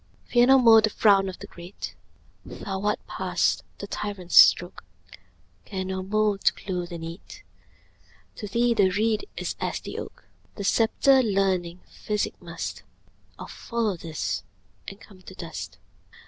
Fear no more the frown o' the great, Thou art past the tyrant's stroke; Care no more to clothe, and eat; To thee the reed is as the oak: The sceptre, learning, physic, must All follow this and come to dust.